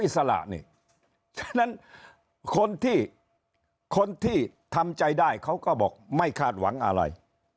ฉะนั้นคนที่คนที่ทำใจได้เขาก็บอกไม่คาดหวังอะไร